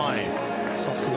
さすが。